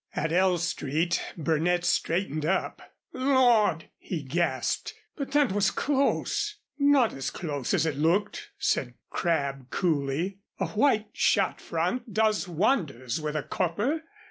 At L Street Burnett straightened up. "Lord!" he gasped. "But that was close." "Not as close as it looked," said Crabb, coolly. "A white shirt front does wonders with a copper.